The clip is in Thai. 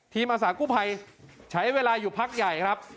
อาสากู้ภัยใช้เวลาอยู่พักใหญ่ครับ